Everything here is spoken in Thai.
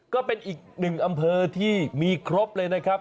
ก็เป็นอีกหนึ่งอำเภอที่มีครบเลยนะครับ